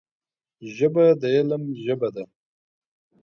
ژبه د علم ژبه ده